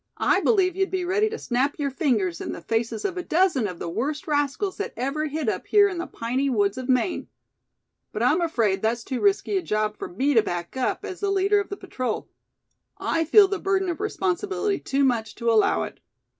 I believe you'd be ready to snap your fingers in the faces of a dozen of the worst rascals that ever hid up here in the piney woods of Maine. But I'm afraid that's too risky a job for me to back up, as the leader of the patrol. I feel the burden of responsibility too much to allow it.